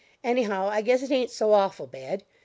Anyhow, I guess it ain't so awful bad.